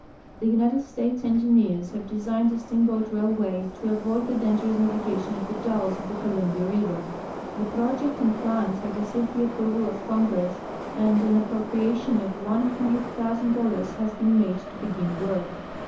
The United States ('ngineers have designed a steamboat railway to avoid tlie dangerous navi gation of The Dalles of the Columbia river. The project and ]»lans have receivcsl the ai)])roval of Congr((Ss and an api)ro])ria tion of $100,000 lias been made to begin work.